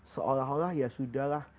seolah olah ya sudah lah